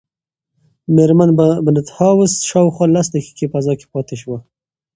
مېرمن بینتهاوس شاوخوا لس دقیقې فضا کې پاتې شوه.